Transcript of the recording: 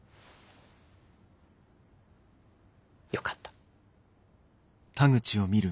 よかった。